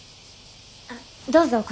どうぞこちらに。